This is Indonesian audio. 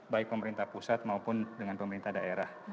baik pemerintah pusat maupun dengan pemerintah daerah